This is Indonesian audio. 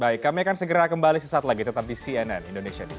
baik kami akan segera kembali sesaat lagi tetap di cnn indonesia newsro